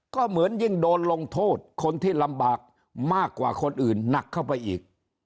ก็เหมือนยิ่งโดนลงโทษคนที่ลำบากมากกว่าคนอื่นหนักเข้าไปอีก